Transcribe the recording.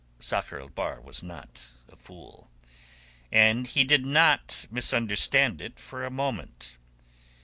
Sakr el Bahr was not a fool, and he did not misunderstand it for a moment.